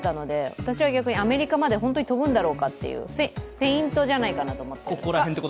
私は逆にアメリカまで本当に飛ぶんだろうかというフェイントじゃないかなと思って。